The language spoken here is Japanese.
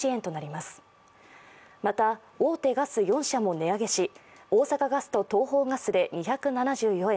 また大手ガス４社も値上げし、大阪ガスと東邦ガスで２７４円